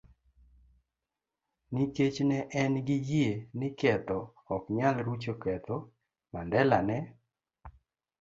Nikech ne en gi yie ni ketho ok nyal rucho ketho, Mandela ne